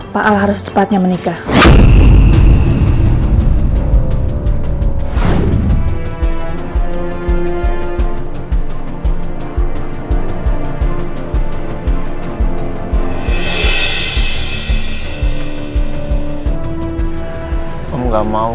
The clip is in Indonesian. pak al harus tepatnya menikah